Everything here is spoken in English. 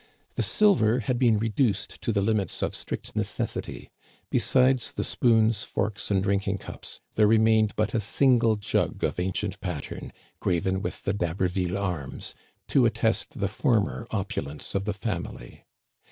The silver had been re duced to the limits of strict necessity; besides the spoons, forks, and drinking cups, there remained but a single jug of ancient pattern, graven with the D'Haber ville arms, to attest the former opulence of the family.